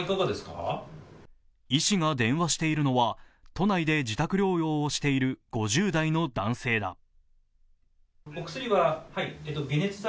医師が電話しているのは、都内で自宅療養をしている５０代の男性だ。